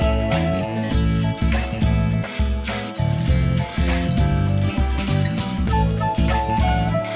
dan saya kemudian memindahkannya kebalik tas saya